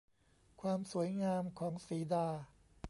ความสวยงามของสีดา